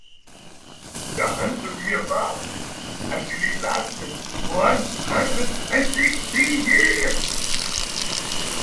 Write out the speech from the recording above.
The Hundred Years War actually lasted one hundred and sixteen years.